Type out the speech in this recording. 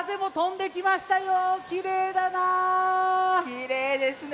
きれいですね。